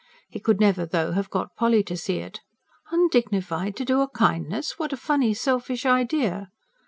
He could never though have got Polly to see it. Undignified to do a kindness? What a funny, selfish idea!